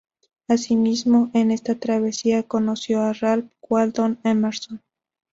Asimismo, en esa travesía conoció a Ralph Waldo Emerson.